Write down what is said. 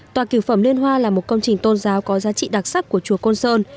tòa tiểu phẩm liên hoa là một công trình tôn giáo có giá trị đặc sắc của chùa côn sơn